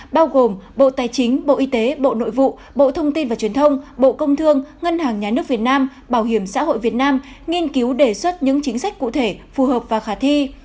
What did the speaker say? bao gồm bộ tài chính bộ y tế bộ nội vụ bộ thông tin và truyền thông bộ công thương ngân hàng nhà nước việt nam bảo hiểm xã hội việt nam nghiên cứu đề xuất những chính sách cụ thể phù hợp và khả thi